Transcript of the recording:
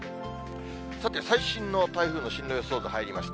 さて、最新の台風の進路予想図入りました。